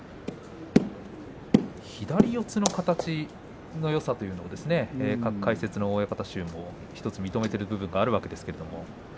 左四つの形のよさというのも解説の親方衆も１つ認めている部分があるわけですけれども。